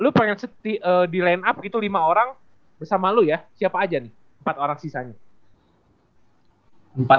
lu pengen di line up itu lima orang bersama lu ya siapa aja nih empat orang sisanya